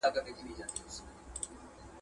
د نوي ژوند غوښتنې ډیرې سوې.